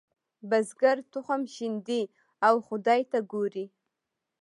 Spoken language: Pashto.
بزګر تخم شیندي او خدای ته ګوري.